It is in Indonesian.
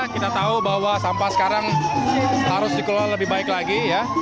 kita tahu bahwa sampah sekarang harus dikelola lebih baik lagi